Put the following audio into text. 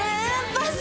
パス！